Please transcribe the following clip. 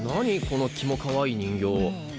このキモかわいい人形。